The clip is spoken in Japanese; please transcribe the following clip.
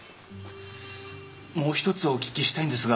もう１つお聞きしたいんですが。